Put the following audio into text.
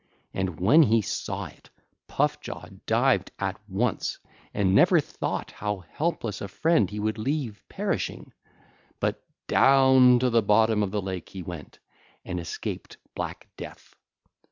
And when he saw it, Puff jaw dived at once, and never thought how helpless a friend he would leave perishing; but down to the bottom of the lake he went, and escaped black death.